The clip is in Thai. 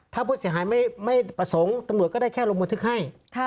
ถ้าผู้เสียหายไม่ประสงค์ตำรวจก็ได้แค่ลงบันทึกให้